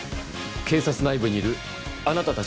警察内部にいるあなたたちの仲間は。